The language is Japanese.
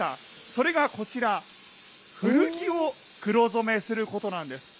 それがこちら、古着を黒染めすることなんです。